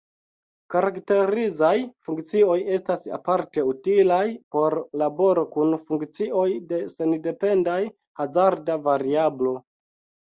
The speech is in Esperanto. Karakterizaj funkcioj estas aparte utilaj por laboro kun funkcioj de sendependaj hazarda variablo.